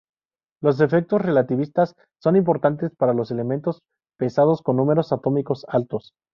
Los efectos relativistas son importantes para los elementos pesados con números atómicos altos.